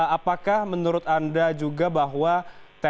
apakah menurut anda juga bahwa tni